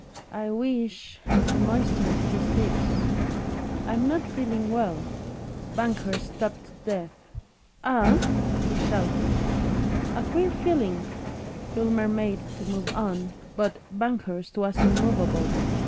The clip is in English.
"I wish " He moistened his lips. "I'm not feeling well." Banghurst stopped dead. "Eh?" he shouted. "A queer feeling." Filmer made to move on, but Banghurst was immovable.